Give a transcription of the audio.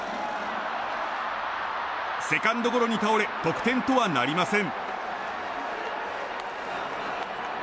セカンドゴロに倒れ得点とはなりません。